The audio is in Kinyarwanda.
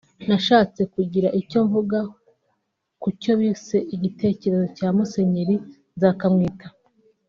“Nashatse kugira icyo mvuga ku cyo bise igitekerezo cya Musenyeri Nzakamwita